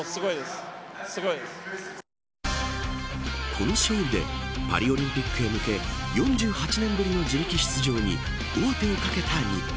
この勝利でパリオリンピックへ向け４８年ぶりの自力出場に王手をかけた日本。